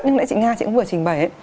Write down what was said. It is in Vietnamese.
nhưng lại chị nga cũng vừa trình bày